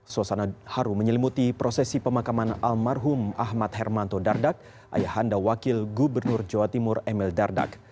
suasana haru menyelimuti prosesi pemakaman almarhum ahmad hermanto dardak ayahanda wakil gubernur jawa timur emil dardak